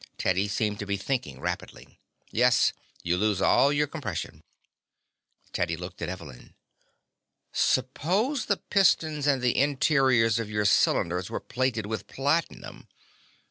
Teddy seemed to be thinking rapidly. "Yes. You lose all your compression." Teddy looked at Evelyn. "Suppose the pistons and the interiors of your cylinders were plated with platinum?